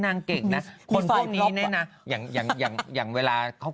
มันแบบว่า